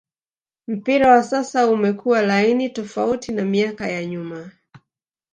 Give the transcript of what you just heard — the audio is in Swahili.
mpira wa sasa umekua laini tofauti na miaka ya nyuma